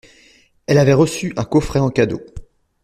Elle avait reçu un coffret en cadeau.